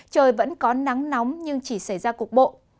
trời vẫn có nắng nóng nhưng chỉ xảy ra cục bộ